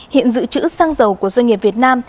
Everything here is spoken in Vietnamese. hiện dự trữ xăng dầu của doanh nghiệp việt nam